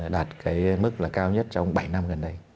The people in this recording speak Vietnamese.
đạt cái mức là cao nhất trong bảy năm gần đây